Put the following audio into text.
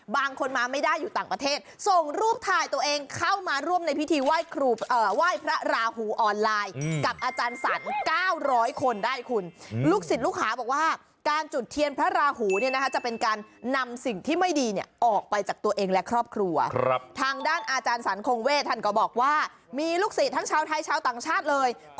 บางคนมาไม่ได้อยู่ต่างประเทศส่งรูปถ่ายตัวเองเข้ามาร่วมในพิธีไหว้พระราหูออนไลน์กับอาจารย์สรร๙๐๐คนได้คุณลูกศิษย์ลูกหาบอกว่าการจุดเทียนพระราหูเนี่ยนะคะจะเป็นการนำสิ่งที่ไม่ดีเนี่ยออกไปจากตัวเองและครอบครัวทางด้านอาจารย์สรรคงเวทท่านก็บอกว่ามีลูกศิษย์ทั้งชาวไทยชาวต่างชาติเลย